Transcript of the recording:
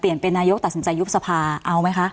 เป็นนายกตัดสินใจยุบสภาเอาไหมคะ